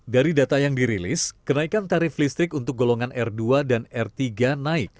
dari data yang dirilis kenaikan tarif listrik untuk golongan r dua dan r tiga naik